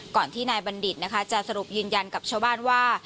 ก่อนที่นายบัณฑิตนะคะจะสรุปยืนยันกับชาวบ้านว่า